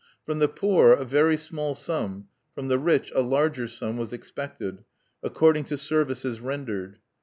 From the poor a very small sum, from the rich a larger sum, was expected, according to services rendered.